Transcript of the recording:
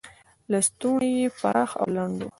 لستوڼي یې پراخ او لنډ و.